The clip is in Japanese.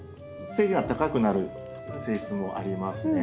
背が高くなる性質もありますね。